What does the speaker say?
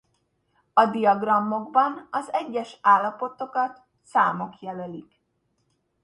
A diagramokban az egyes állapotokat számok jelölik.